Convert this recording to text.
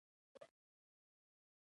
د محرم کتاب په شکل ترتیب شوی.